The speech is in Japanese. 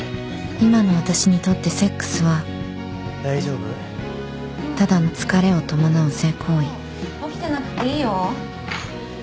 今の私にとってセックスはただの疲れを伴う性行為起きてなくていいよ。